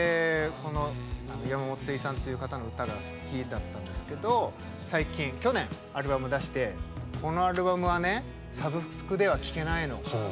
山本精一さんという方の歌が好きだったんですけど最近去年アルバムを出してこのアルバムはサブスクでは聴けないの。